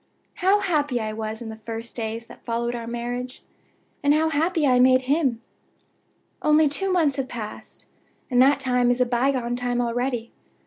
"How happy I was in the first days that followed our marriage, and how happy I made him! Only two months have passed, and that time is a by gone time already!